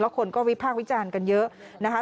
แล้วคนก็วิภาควิจารณ์กันเยอะ